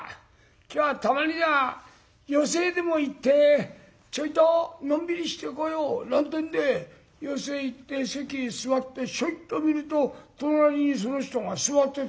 今日はたまには寄席へでも行ってちょいとのんびりしてこよう」なんてんで寄席へ行って席へ座ってひょいっと見ると隣にその人が座ってたりなんかして。